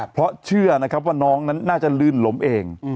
เพราะเชื่อนะครับว่าน้องนั้นน่าจะลื่นล้มเอง